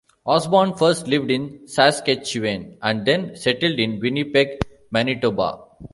Osborn first lived in Saskatchewan and then settled in Winnipeg, Manitoba.